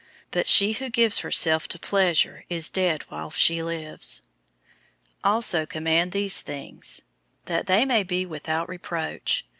005:006 But she who gives herself to pleasure is dead while she lives. 005:007 Also command these things, that they may be without reproach.